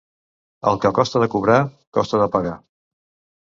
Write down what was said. El que costa de cobrar, costa de pagar.